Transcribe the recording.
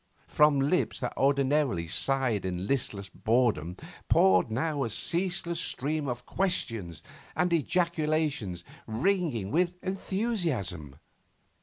From lips that ordinarily sighed in listless boredom poured now a ceaseless stream of questions and ejaculations, ringing with enthusiasm.